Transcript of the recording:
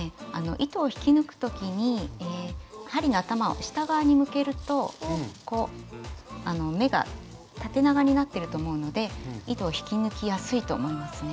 糸を引き抜く時に針の頭を下側に向けると目が縦長になってると思うので糸を引き抜きやすいと思いますね。